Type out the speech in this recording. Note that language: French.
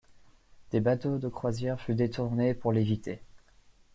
Des bateaux de croisières furent détournés pour l'éviter.